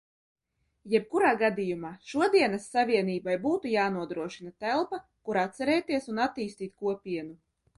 Jebkurā gadījumā, šodienas Savienībai būtu jānodrošina telpa, kur atcerēties un attīstīt Kopienu.